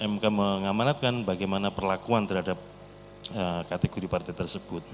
mk mengamanatkan bagaimana perlakuan terhadap kategori partai tersebut